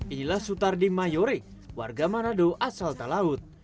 inilah sutardi mayore warga manado asal talaut